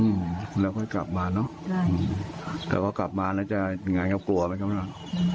อืมแล้วค่อยกลับมาเนอะใช่แต่ว่ากลับมาแล้วจะอย่างไรก็กลัวไหมก็ไม่รู้